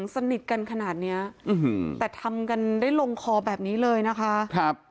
สนิทกันขนาดเนี้ยแต่ทำกันได้ลงคอแบบนี้เลยนะคะ